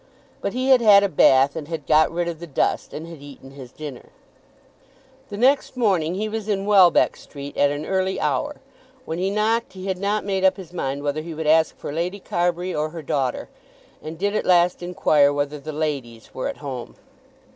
But he had had a bath, and had got rid of the dust, and had eaten his dinner. The next morning he was in Welbeck Street at an early hour. When he knocked he had not made up his mind whether he would ask for Lady Carbury or her daughter, and did at last inquire whether "the ladies" were at home.